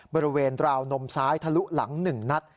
บริเวณราวนมซ้ายทะลุหลัง๑นัด